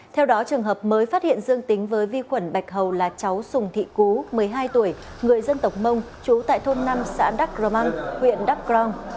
theo đó trường hợp mới phát hiện dương tính với vi khuẩn bạch hầu là cháu sùng thị cú một mươi hai tuổi người dân tộc mông trú tại thôn năm xã đắk rômăng huyện đắk gron